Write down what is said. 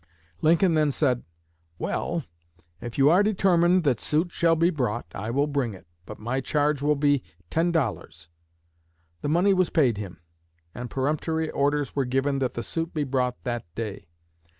Lincoln then said, 'Well, if you are determined that suit shall be brought, I will bring it; but my charge will be ten dollars.' The money was paid him, and peremptory orders were given that the suit be brought that day.